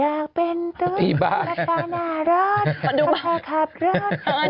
อยากเป็นตู้กับข้าวหน้ารอดข้าวสาขาบรอด